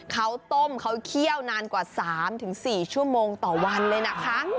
เขาต้มเขาเคี่ยวนานกว่า๓๔ชั่วโมงต่อวันเลยนะคะ